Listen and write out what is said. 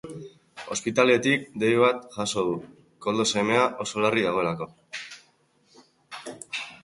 Ospitaletik dei bat jaso du, Koldo semea oso larri dagoelako.